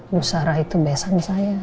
bu sarah itu besan saya